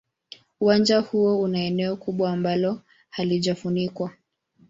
Uwanja huo una eneo kubwa ambalo halijafunikwa.